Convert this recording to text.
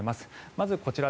まず、こちら。